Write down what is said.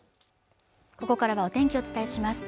ここからはお天気をお伝えします